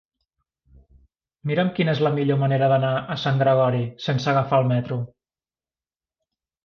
Mira'm quina és la millor manera d'anar a Sant Gregori sense agafar el metro.